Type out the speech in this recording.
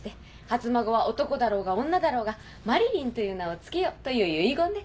「初孫は男だろうが女だろうが麻理鈴という名を付けよ」という遺言で。